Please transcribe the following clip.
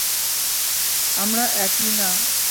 আমরা একই না।